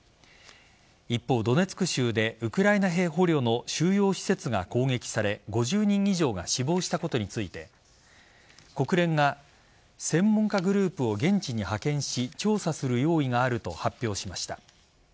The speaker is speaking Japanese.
一方、ドネツク州でウクライナ兵捕虜の収容施設が攻撃され５０人以上が死亡したことについて国連が専門家グループを現地に派遣し調査する用意があると発表しました。